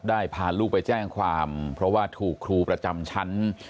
พาลูกไปแจ้งความเพราะว่าถูกครูประจำชั้น